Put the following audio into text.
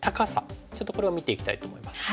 ちょっとこれを見ていきたいと思います。